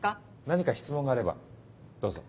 何か質問があればどうぞ。